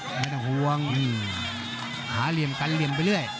ไม่ต้องห่วง